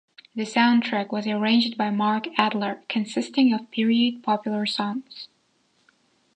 The soundtrack was arranged by Mark Adler, consisting of period popular songs.